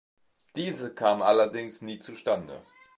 Diese kam allerdings nie zustande.